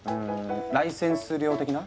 ライセンス料的な？